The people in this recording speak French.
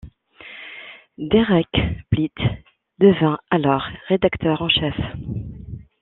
Derek Blyth, devint alors rédacteur en chef.